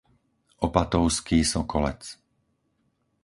Opatovský Sokolec